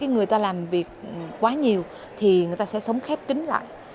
người ta làm việc quá nhiều thì người ta sẽ sống khép kính lại